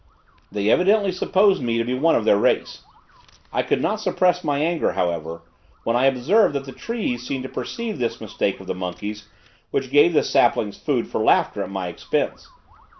They evidently supposed me to be one of their race. I could not suppress my anger, however, when I observed that the trees seemed to perceive this mistake of the monkeys, which gave the saplings food for laughter at my expense.